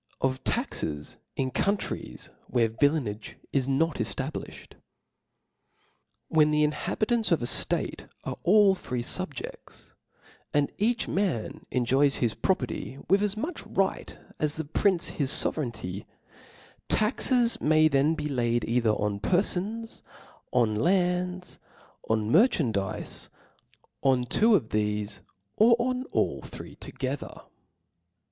Of Taxes in Countries where Villainage is not ejlablijhed. \7rr H E N • the inhabitants of a ftate are all free ^^ fubjedls, and each man enjoys his proper ty with as nluch right as the prince hisfovcrcignty, taxes may then be laid either on perfons, on lands, on merchandizes, on two of thefe, or on all three together.